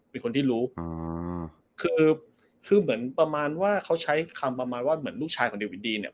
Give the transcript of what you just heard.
เป็นคนที่รู้อ่าคือเออคือเหมือนประมาณว่าเขาใช้คำประมาณว่าเหมือนลูกชายของเดวิดีเนี่ย